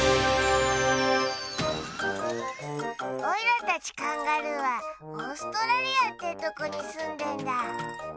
オイラたちカンガルーはオーストラリアってとこにすんでんだ。